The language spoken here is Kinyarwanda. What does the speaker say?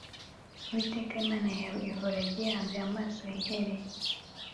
Uwiteka Imana yawe ihora igihanze amaso ihereye